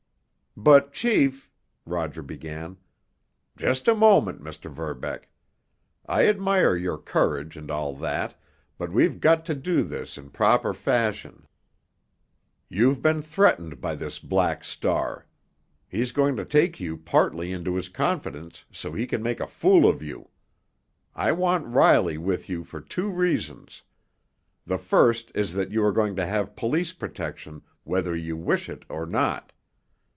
"But, chief——" Roger began. "Just a moment, Mr. Verbeck. I admire your courage and all that, but we've got to do this in proper fashion. You've been threatened by this Black Star. He's going to take you partly into his confidence so he can make a fool of you. I want Riley with you for two reasons. The first is that you are going to have police protection whether you wish it or not.